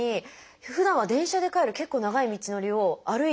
ふだんは電車で帰る結構長い道のりを歩いて。